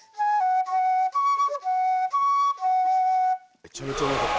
めちゃめちゃうまかった。